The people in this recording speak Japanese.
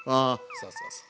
そうそうそう。